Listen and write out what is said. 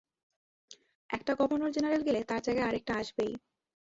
একটা governor general গেলে তাঁর জায়গায় আর একটা আসবেই।